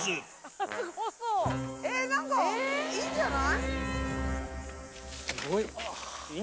なんかいいんじゃない？